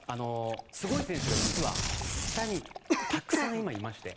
すごい選手が実は下にたくさん今、いまして。